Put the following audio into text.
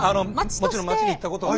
もちろん町に行ったことはある。